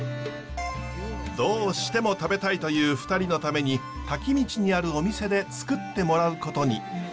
どうしても食べたいという２人のために滝道にあるお店でつくってもらうことに。